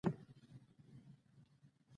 د فریاد ږغونو ته غوږ نیول لازمي وي.